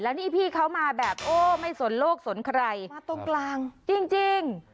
นี่พี่เขามาแบบโอ้ไม่สนโลกสนใครมาตรงกลางจริง